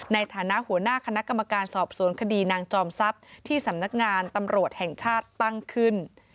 ในฐานะหัวหน้าคณะกรรมการสอบสวนคดีนางจอมทรัพย์ที่สำนักงานตำรวจแห่งชาติตั้งขึ้น